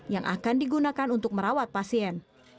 yang akan digunakan untuk merawat pasien